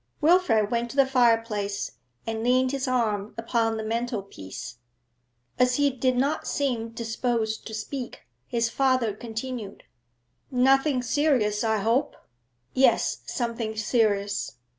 Wilfrid went to the fireplace and leaned his arm upon the mantelpiece. As he did not seem disposed to speak, his father continued 'Nothing serious, I hope?' 'Yes; something serious.'